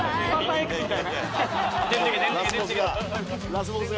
ラスボスが。